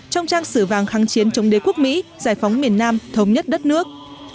trong trang sử vàng kháng chiến chống đế quốc mỹ giải phóng miền nam thống nhất đất nước